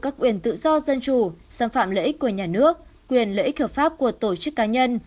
các quyền tự do dân chủ xâm phạm lợi ích của nhà nước quyền lợi ích hợp pháp của tổ chức cá nhân